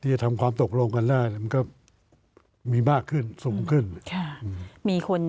จะทำความตกลงกันได้มันก็มีมากขึ้นสูงขึ้น